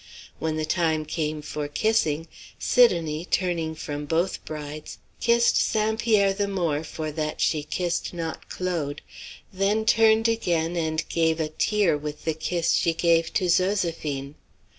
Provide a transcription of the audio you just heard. When the time came for kissing, Sidonie, turning from both brides, kissed St. Pierre the more for that she kissed not Claude, then turned again and gave a tear with the kiss she gave to Zoséphine.